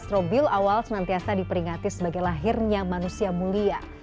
dua belas robil awal senantiasa diperingati sebagai lahirnya manusia mulia